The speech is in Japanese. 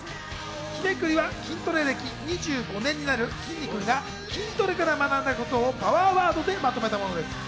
日めくりは筋トレ歴２５年になる、きんに君が筋トレから学んだことをパワーワードでまとめたものです。